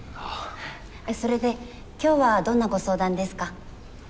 それで今日はどんなご相談ですか？